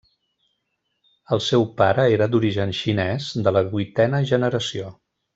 El seu pare era d'origen xinès, de la vuitena generació.